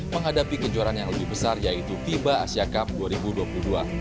menghadapi kejuaraan yang lebih besar yaitu fiba asia cup dua ribu dua puluh dua